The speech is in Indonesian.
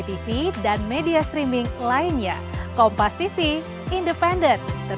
terima kasih wassalamualaikum warahmatullahi wabarakatuh